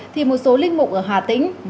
thì một số linh mục ở hà tĩnh